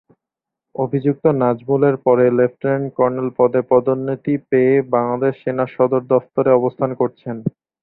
অভিযুক্ত নাজমুল এর পরে লেফটেন্যান্ট কর্নেল পদে পদোন্নতি পেয়ে বাংলাদেশ সেনা সদর দফতরে অবস্থান করছেন।